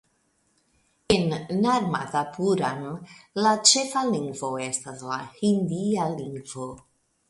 En Narmadapuram la ĉefa lingvo estas la hindia lingvo.